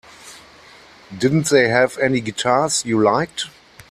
Didn't they have any guitars you liked?